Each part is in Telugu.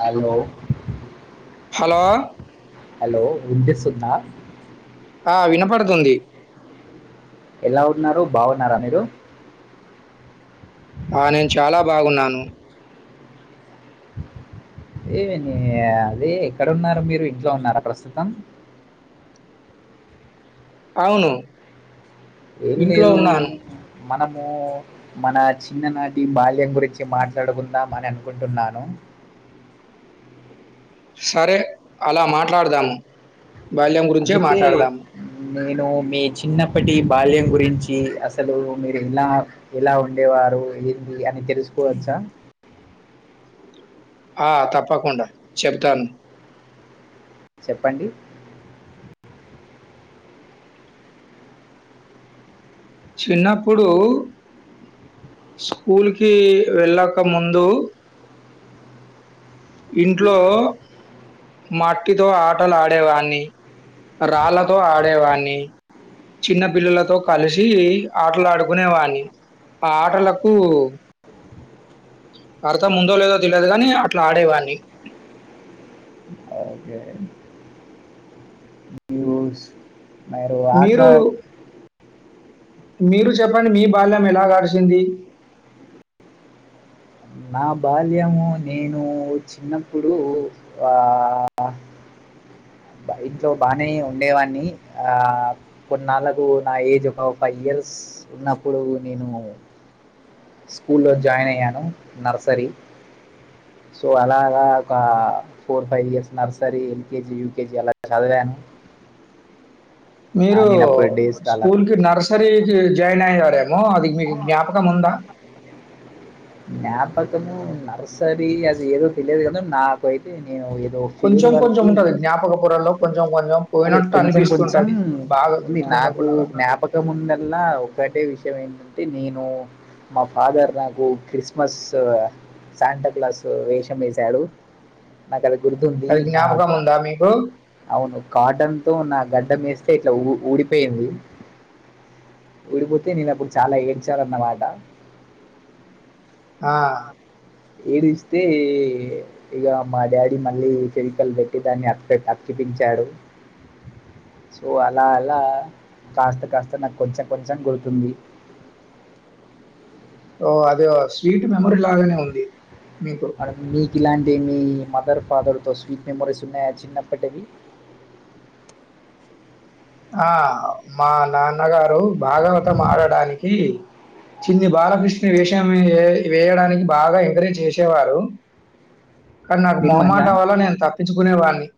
హలొ హలో హలో విన్పిస్తుందా ఆ వినపడుతుంది ఎలా ఉన్నారు బాగున్నార మీరు ఆ నేన్ చాలా బాగున్నాను ఏమైంది అది ఎక్కడ ఉన్నారు మీరు ఇంట్లో ఉన్నార ప్రస్తుతం అవును ఏమ్ ఇంట్లో లేదు ఉన్నాను. మనము మన చిన్ననాటి బాల్యం గురించి మాట్లాడుకుందాం అని అనుకుంటున్నాను సరే అల మాట్లాడదాము బాల్యం గురించే అందుకే మాట్లాడదాము నేను మీ చిన్నప్పటి బాల్యం గురించి అసలు మీరెలా ఎలా ఉండేవా ఎంది అని తెలుస్కుచ్చా ఆ తప్పకుండా చెప్తాను చెప్పండి చిన్నప్పుడు స్కూల్ కి వెళ్ళక ముందు ఇంట్లో మట్టితో ఆటలు ఆడేవాన్ని రాళ్ళతో ఆడే వాన్ని చిన్న పిల్లలతో కలిసి ఆటలు ఆడుకునేవన్ని ఆ ఆటలకూ అర్ధం ఉందోలేదో తెలియదు కాని అట్ల ఆడేవాన్ని ఓకే రూమ్స్ మైరు ఆట్ల మీరు మీరు చెప్పండి మీ బాల్యం ఎలా గడిచిందీ నా బాల్యము నేనూ చిన్నప్పుడూ అహ్ ఇంట్లో బానే ఉండేవాని ఆ కొన్నాళ్లకు నా ఏజ్ ఒక ఫైవ్ ఇయర్స్ ఉన్నప్పుడు నేను స్కూలో జాయిన్ అయ్యాను నర్సరీ సో అలాగా ఒక four five years nursery LKG UKG అలా చదివా ఆ, మీరు నేను అప్పుడు డే స్కాలర్ స్కూల్ కి నర్సరీకి జాయిన్ అయ్యారా నాప్ పక్కము నర్సరీ అది ఏదో తెలియదు కాని నాకయితే నేను కొంచెం ఫేర్వెల్ కొంచెం కీ ఉంటది. జ్ఞాపక పొరల్లో కొంచెం కొంచెం అదే పోయినట్టు కొంచెం కొంచెం అనిపిస్తుంటది. బాగా గుర్తుకున్నా నాకు కూడా గాని. జ్ఞాపకం ఉందల్లా ఒకటే విషయం ఏం అంటే నేను మా ఫాదర్ నాకు క్రిస్మస్ శాంటాక్లాస్ వేషం వేసాడు నాకు అది గుర్తుంది అది నా జ్ఞాపకం ఉందా మీకు? అవును కాటన్ తో నా గడ్డం వేసి టే ఇట్ల ఊ ఊడిపోయింది ఊడిపోతే నేను అప్పుడు చాలా ఏడ్చాననమాట ఆ! ఏడిస్తే ఇగ మా డాడీ మళ్ళీ ఫెవికాల్ పెట్టి దాన్ని అత్కవెట్టి ంచాడు సో అలా అలా కాస్త కాస్త నాకు కొంచం కొంచం గుర్తుంది ఓ అది స్వీట్ మెమోరీ లాగానే ఉంది మీకు. అ మీ ఇలాంటి మీ మదర్ ఫాదర్తో స్వీట్ మెమోరీస్ ఉన్నాయ చిన్నప్పటివి ఆ మా నాన్నగారు భాగవతం ఆడడానికి చిన్ని బాలకృష్ణ వేషయం వే వేయడానికి బాగా ఎంకరేజ్ చేసేవారు కాని నాకు మిమ్మల్ని మొహమాటం వల్ల నేను తప్పించుకునేవాడిని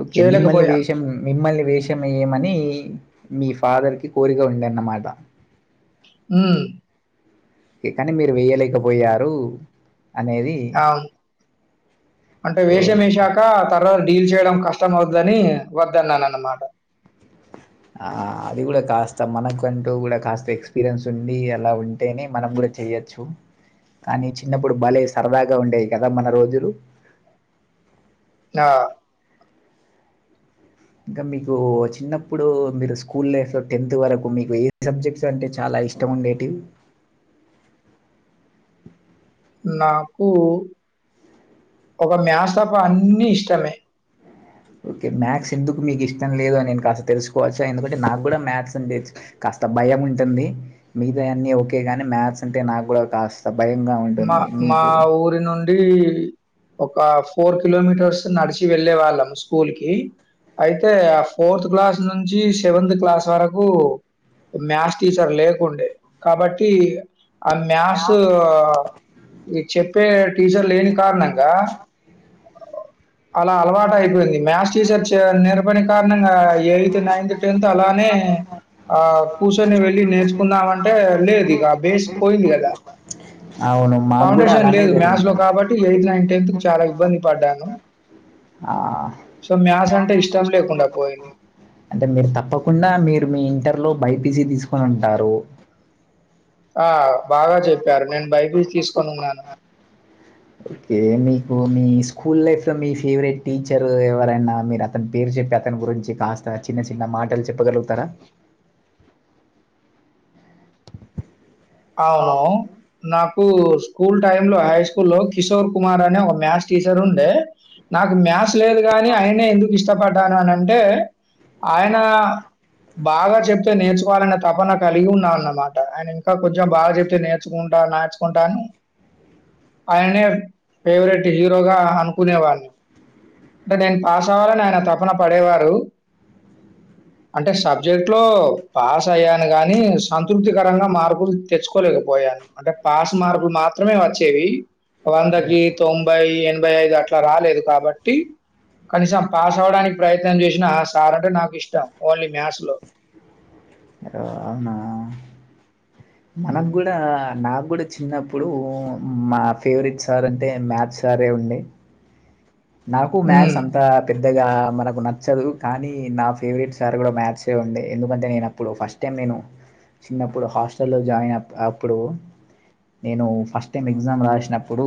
ఓకే మిమ్మల్ని చేయలేకపోయాను. వేషం మిమ్మల్ని వేషం ఏయమని ఫాదర్కి కోరిక ఉందన్నమాట ఉహ్ కనీ మీరు వేయలేకపోయారు అనేది అవును అంటే వేషం ఓకే వేసాక తర డీల్ చెయడం కష్టం అవుద్దని వద్దన్నాన అన్నమాట ఆ అది కూడ కాస్త మనకంటూ కూడ కాస్త ఎక్స్పీరియన్స్ ఉండీ అలా ఉంటేనే మనం కూడా చేయొచ్చు కానీ చిన్నప్పుడు బలే సరదాగా ఉండేవి కదా మన రోజులు ఆహ్ ఇంక మీకు చిన్నప్పుడు మీరు స్కూల్ లైఫ్ లో టెన్త్ వరకు మీకు ఏ సబ్జెక్ట్స్ అంటే చాలా అవి ఇష్టము ఉండేటివి నాకు ఒక మ్యాథ్స్ తప్పా అన్ని ఇష్టమే ఓకే మ్యాథ్స్ ఎందుకు మీకు ఇష్టం లేదో నేను కాస్త తెలుసుకోవచ్చా ఎందుకంటే నాకు కూడా మ్యాథ్స్ అంటే క కాస్త భయం ఉంటుంది మిగతాయి అన్ని ఒకే కానీ మ్యాథ్స్ అంటే నాకు కూడా కాస్ మా మా ఊరి నుండి ఒక ఫోర్ కిలోమీటర్స్ నడిచి వెళ్ళే వాళ్ళం స్కూల్ కి అయితే ఆ ఫోర్త్ క్లాస్ నుంచి సెవెంత్ క్లాస్ వరకు మ్యాథ్స్ టీచర్ లేకుండే కాబట్టి ఆ మ్యాథ్స్ ఇ చెప్పే టీచర్ లేని కారణంగా అలా అలవాట అయిపోయింది మ్యాథ్స్ టీచర్ నిర్పణి కారణంగా ఎయిత్ నైన్త్ టెన్త్ అలానే వేరేనా ఆ కూర్చొని వెళ్ళి నేర్చుకుందామంటే లేదు ఇగా బేస్ పోయ్ ఆ అవును మాకు కూడా ఫౌండేషన్ అలానే లేదు జరిగింది మ్యాథ్స్‌లో కాబట్టి చాలా ఇబ్బంది పడ్డాను. ఆ మరి మ్యాథ్స్ అంటే ఇష్టం ఉండదు కదా బ్రో అంటే మీరు తప్పకుండా మీరు మీ ఇంటర్లో బైపీస తీసుకొని ఉంటారు ఆ బాగా చెప్పారు నేను బైపిసి తీసుకొని ఉన్నాను ఓకే మీకు మీ స్కూల్ లైఫ్లో మీ ఫేవరెట్ టీచరు ఎవరైనా మీరు అత్తన్ పేరు చెప్పి అతని గురించి కాస్త చ్ ప్పిన చిన్న మాటల్ చెప్పగలుగుతారా అవును నాక్ కు స్కూల్ టైం లో హై స్కూల్ లో కిషోర్ కుమార్ అనే ఒక మ్యాథ్స్ టీచర్ ఉండే నాకు మ్యాథ్స్ లేదు కాని ఆయనే ఎందుకు ఇష్టపడ్డాను అని అంటే ఆయన బాగా చెప్తే నేర్చుకోవాలన్న తపన కలిగి ఉన్నాన్నమాట అయినన్ కొంచెం బాగా చెప్తే నేర్చుకుంటాన నేర్చుకుంటాను అయిననే ఫేవరెట్ హీరోగా అనుకునేవాడిని అంటే నేను పాస్ అవ్వాలని ఆయన తపన పడేవారు అంటే సబ్జెక్ట్ లో పాస్ అయ్యాను కానీ సంతృప్తికరంగా మార్ మలు తెచ్చుకో లేకపోయాను అంటే పాస్ మార్కులు మాత్రమే వచ్చేవి వందకి ఓకే. తొంభై ఎనభై ఐదు అట్లా రాలేదు కాబట్టి కనీసం పాస్ అవడానికి ప్రయత్నం చేసిన ఆ సార్ అంటే నాకు ఇష్టం ఓన్లీ మ్యాథ్స్ లో బ్రో అవునా హ్మ్. మనకు కూడా నా కూడా చిన్నప్పుడు మా ఫేవరెట్ సార్ అంటే మ్యాథ్ సరే ఉండే నాకు హ్మ్. మ్యాథ్స్ అంతా తే తేగా పెద్దగా మనకు నచ్చదు కానీ నా ఫేవరెట్ సార్ కూడా మ్యాథ్సే ఉండే ఎందుకంటే నేనప్పుడు ఫస్ట్ టైం నేను చిన్నప్పుడు హాస్టల్ లో జాయిన్ అప్ అప్పుడు నేను ఫస్ట్ టైం ఎగ్జామ్ రాసినప్పుడు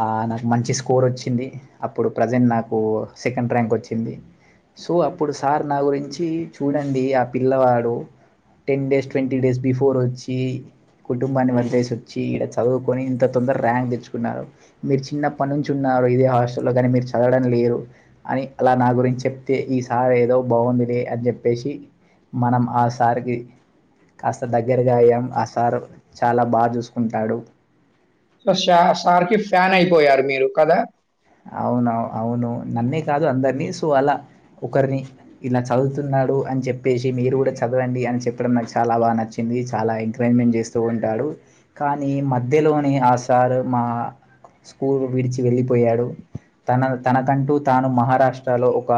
ఆ నాకు మంచి స్కోర్ వచ్చింది అప్పుడు ప్రజెంట్ నాకు సెకండ్ ర్యాంక్ వచ్చింది సో అప్పుడు సార్ నా గురించి చూడండి ఆ పిల్లవాడు ten days twenty days before వచ్చి కుటుంబాన్ని వదిలేసి వచ్చి ఈడ చదువుకొని ఇంత తొందర ర్యాంక్ తెచ్చుకున్నారు మీరు చిన్నప్పుడ్ నుంచి ఉన్న ఆ బ్రో ఇది హాస్ సోలో కానీ మీరు చదవడం లేరు అని అలా నా గురించి చెప్తే ఈ సారి ఏదో బాగుందిలే అని చెప్పే చేసి మనం ఆసారికి కాస్త దగ్గరగా అయ్యాం ఆ సార్ చాలా బా చూసుకుంటాడు స సార్ సార్ కి ఫ్యాన్ అయిపోయారు మీరు కదా అవునా అవును నన్నే కాదు అందరినీ సో అలా ఒకరిని ఇలా చదువుతున్నాడు అన్ చెప్పేసి మీరు కూడా చదవండి అని చెప్పడం నాకు చాలా బాగా నచ్చింది చాలా ఎంకరేజ్మెంట్ చేస్తూ ఉంటాడు కానీ మధ్యలోనే ఆ సార్ మా స్కూల్ విడిచి వెళ్ళిపోయాడు తన తనకంటూ తాను మహారాష్ట్ర లో ఒక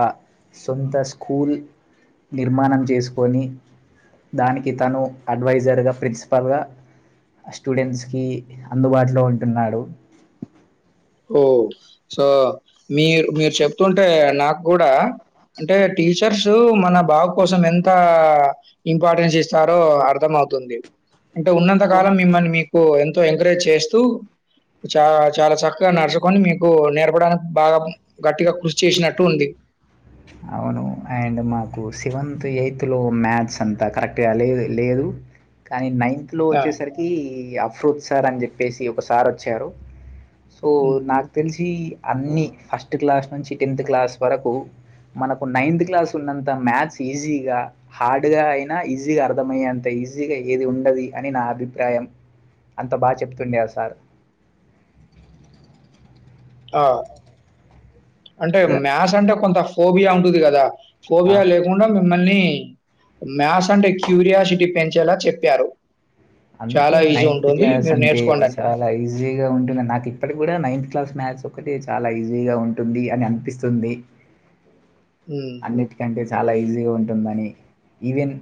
సొంత స్కూల్ నిర్మాణం చేసుకొని దానికి తను అడ్వైజర్ గా ప్రిన్సిపాల్ గా స్టూడెంట్స్ కి అందుబాటులో ఉంటున్నాడు ఓ సో మీరు మీరు చెప్తుంటే నాకు కూడా అంటే టీచర్స్ మన బాగు కోసం ఎంత ఇంపార్టెన్స్ ఇస్తారో అర్థం అవుతుంది అంటే ఉన్నంత కాలం మిమ్మల్ని మీకు ఎంతో ఎంకరేజ్ చేస్తూ చాలా చక్కగా నడుచుకొని మీకు నేర్పడానికి బాగా గట్టిగా కృషి చేసినట్టు ఉంది అవును అండ్ మాకు సెవెంత్ ఎయిత్లో మ్యాథ్స్ అంతా కరెక్ట్గా లేదు లేదు కానీ నైన్త్ లో ఆ, వచ్చేసరికి అఫ్రూద్ సార్ అని చెప్పేసి ఒక సార్ వచ్చారు సో ఉమ్, నాకు తెలిసి అన్ని ఫస్ట్ క్లాస్ నుంచి టెన్త్ క్లాస్ వరకు మనకు నైన్త్ క్లాస్ ఉన్నంత మ్యాథ్స్ ఈజీ గా హార్డ్ గా అయినా ఈజీగా అర్థమయ్యేంత ఈజీ బిజీగా ఏది ఉండదు అని నా అభిప్రాయం అంత బాగా చెప్తూ ఉండే సార్ ట్రైన్ సౌండ్ ఆ అంటే ఇలా మ్యాస్ అంటే కొంత ఫోబియా ఉంటుంది కదా ఫోబియా లేకుండా మిమ్మల్ని మ్యాస్ అంటే క్యూరియాసిటీ పెంచేలా చెప్పారు అందుకే చాలా ఈజీ నైన్త్ ఉంటుంది. క్లాస్ మీరు అంటే నేర్చుకోండని. చాలా ఈజీగా ఉంటుంది నాకు ఇప్పటికి కూడా నైన్త్ నైన్త్ క్లాస్ మ్యాస్ ఒకటే చాలా ఈజీగా ఉంటుంది అని అనిపిస్తుంది హ్మ్. అన్నిటికంటే చాలా ఈజీగా ఉంటుందని even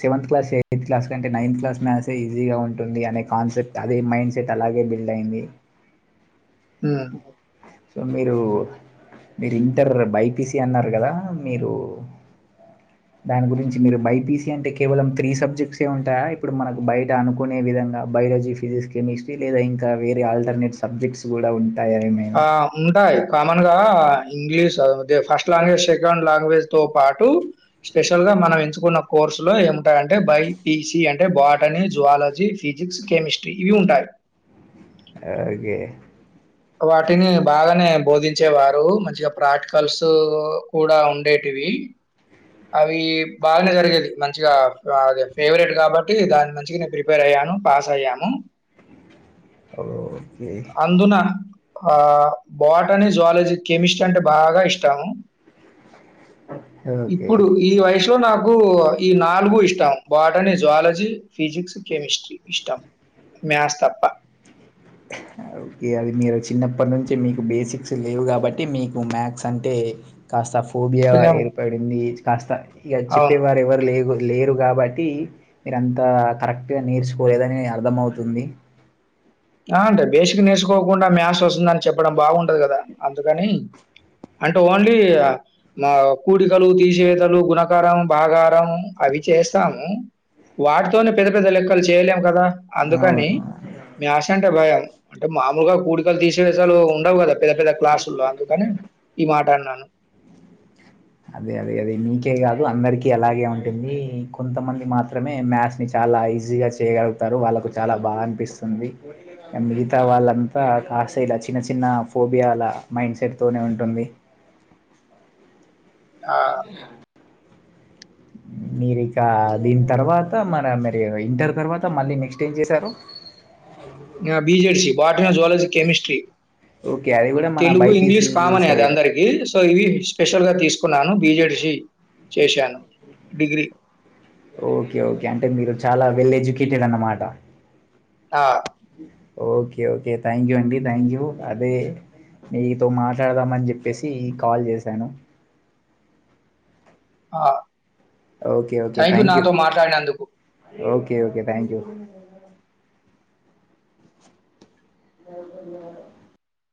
seventh class eighth class కంటే నైన్త్ క్లాస్ మ్యాసే ఈజీగా ఉంటుంది అనే కాన్సెప్ట్ అదే మైండ్ సెట్ అలాగే బిల్డ్ అయింది ఉ మీరు ఇంటర్ బైపీసీ అన్నారు కదా మీరు ట్రైన్ సౌండ్ దాని గురించి మీరు బైపీసి అంటే కేవలం త్రీ సబ్జెక్ట్స్ ఉంటాయా ఇప్పుడు మనకు బయట అనుకునే విధంగా బయోలజీ ఫిజక్స్ కెమిస్టీ లేదా ఇంకా వేరే ఆల్టర్నేట్ సబ్జెక్ట్స్ కూడా ఉంటాయా ఏమైనా ఆ ఉంటాయి కామన్ గా English first language second language తో పాటు స్పెషల్ గా మనం ఎంచుకున్న కోర్సులో ఏముంటాయంటే బై పిసి అంటే బాటనీ జుయాలజీ ఫిజిక్స్ కెమిస్ట్రీ ఇవి ఉంటాయి క గే వాటిని బాగానే బోధించేవారు మంచిగా ప్రాక్టికల్స్ కూడా ఉండేటివి ఉ అవి బాగానే జరిగేది మంచిగా అదే ఫేవరెట్ కాబట్టి దాని మంచిగా నేను ప్రిపేర్ అయ్యా పాస్ అయ్యాము ఓ అందునా ఆ బాటనీ జయాలజీ కెమిస్ట్రీ అంటే బాగా ఇష్టము ఓకే ఇప్పుడు ఈ వయస్ ఇలో నాకు ఈ నాలుగు ఇష్టం బాటనీ జాలజీ ఫిజిక్స్ కెమిస్ట్రీ ఇష్టం మ్యాస్ తప్ప ఓకే అది మీరు చిన్నప్పటి నుంచి మీకు బేసిక్స్ లేవు కాబట్టి మీకు మ్యాక్స్ అంటే కాస్త ఫోబియా కొంచెం ఏర్పడింది కాస్త ఇక అవును. చెప్పేవారు ఎవరు లేదు లేరు కాబట్టి మీరు అంతా కరెక్ట్ గా నేర్చుకోలేదని అర్థంమవుతుంది ఆ అంటే బేసిక్ నేర్చుకోకుండా మ్యాస్ వస్తుందని చెప్పడం బాగుంటదు కదా అందుకని అంటే ఓన్లీ మా కూడికలు తీసివేతలు గుణకర బాగారం అవి అవి చేస్తాము వాటితోనే పెద్ద పెద్ద లెక్కలు చేయలేము కదా అవును మ్యాస్ అంటే భయం అంటే మామూలుగా కూడికలు తీసివేసాలు ఉంటాయి న్నవు గదా పెద్ద పెద్ద క్లాసుల్లో అందుకని ఈ మాట అన్నాను. అదే అదే అది నీకే గాదు అందరికీ అలాగే ఉంటుంది, కొంతమంది మాత్రమే మ్యాథ్స్ ని చాలా ఆ ఈజీ గా చేయగలుగుతారు వాళ్ళకు చాల బాగ అనిపిస్తుంది, మిగతా వాళ్ళంతా కాస్ ఇలా చిన్న చిన్న ఫోబియాలా మైండ్ సెట్ తోనే ఉంటుంది. ఒ ఆహ్, అంతేనా అ మీరికా దీన్తర్వాత మన మరి ఇంటర్ తర్వాత మళ్ళీ నెక్స్ట్ ఏం చేశారు? నా B Z C botany zoology chemistry. Okay అద్ తెలుగు ఇంగ్లీష్ కామనే అది అందరికీ, సో ఇవి స్పెషల్ గా తీసుకున్నాను బి జెడ్ సి చేశాను డిగ్రీ ఓకే ఓకే అంటే మీరు చాలా వెల్ ఎడ్యుకేటెడ్ అన్నమాట. ఆ ఓకే ఓకే థ్యాంక్ యూ అండి, థ్యాంక్ యూ అదే మీతో మాట్లాడదామని చెప్పేసి కాల్ చేశాను. ఆ థ్యాంక్ యూ నాతో మాట్లాడినందుకు. Okay okay thank you. The